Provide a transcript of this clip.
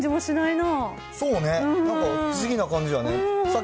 なんか不思議な感じやね。